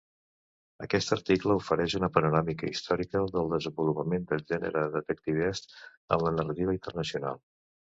Aquest article ofereix una panoràmica històrica del desenvolupament del gènere detectivesc en la narrativa internacional.